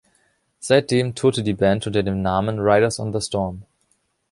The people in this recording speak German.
Seitdem tourte die Band unter dem Namen "Riders on the Storm".